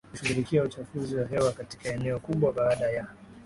kushughulikia uchafuzi wa hewa katika eneo kubwa Baada ya